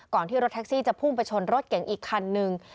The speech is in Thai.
ที่รถแท็กซี่จะพุ่งไปชนรถเก๋งอีกคันนึง